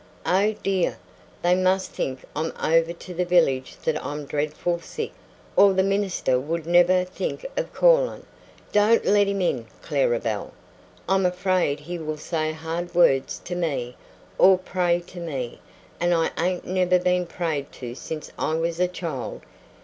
"Oh, dear! They must think over to the village that I'm dreadful sick, or the minister wouldn't never think of callin'! Don't let him in, Clara Belle! I'm afraid he will say hard words to me, or pray to me; and I ain't never been prayed to since I was a child!